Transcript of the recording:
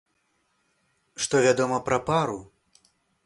Што вядома пра пару?